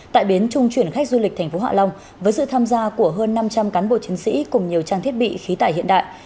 tại bến trung chuyển khách du lịch tp hạ long với sự tham gia của hơn năm trăm linh cán bộ chiến sĩ cùng nhiều trang thiết bị khí tải hiện đại